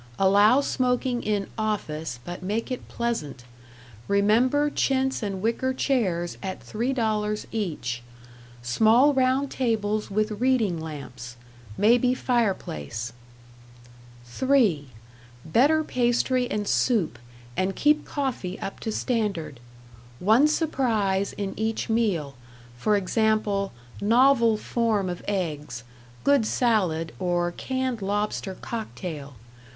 Allow smoking in 'office,' but make it pleasant. Rem. chintz and wicker chairs at $3 each. Small round tables with reading lamps. Maybe fireplace. "(3) Better pastry and soup and keep coffee up to standard. One surprise in each meal for example, novel form of eggs, good salad, or canned lobster cocktail.